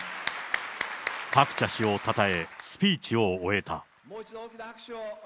ハクチャ氏をたたえ、スピーチを終えた。